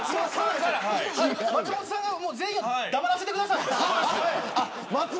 松本さんが全員、黙らせてください。